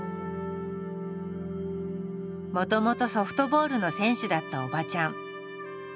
もともとソフトボールの選手だったおばちゃん。